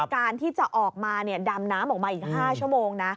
การที่จะออกมาดำน้ำออกมาอีก๕ชั่วโมงนะ